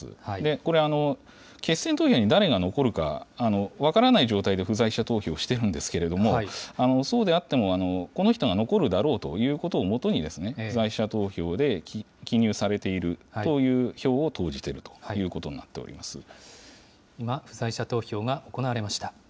これ、決選投票に誰が残るか分からない状態で不在者投票してるんですけれども、そうであっても、この人が残るであろうということをもとに、不在者投票で記入されているという票を投じているということにな今、不在者投票が行われました。